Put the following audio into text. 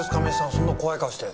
そんな怖い顔して。